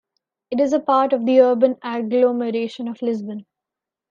It is part of the urban agglomeration of Lisbon.